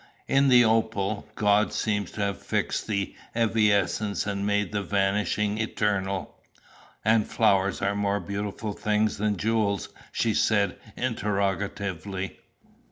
In the opal, God seems to have fixed the evanescent and made the vanishing eternal." "And flowers are more beautiful things than jewels?' she said interrogatively.